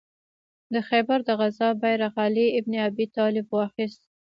د خیبر د غزا بیرغ علي ابن ابي طالب واخیست.